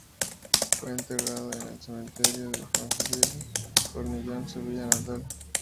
Fue enterrado en el cementerio de Fontanil-Cornillon, su villa natal.